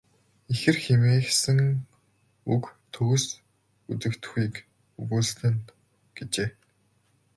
Ихэр хэмээсэн үг төгс үзэгдэхүйг өгүүлсэн нь." гэжээ.